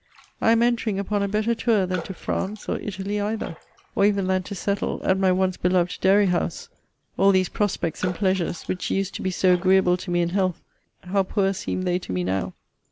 I am entering upon a better tour than to France or Italy either! or even than to settle at my once beloved Dairy house! All these prospects and pleasures, which used to be so agreeable to me in health, how poor seem they to me now!